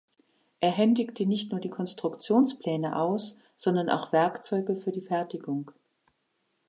Er händigte nicht nur die Konstruktionspläne aus, sondern auch Werkzeuge für die Fertigung.